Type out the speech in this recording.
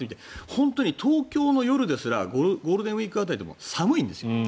本当に東京の夜ですらゴールデンウィーク辺りでも寒いんです。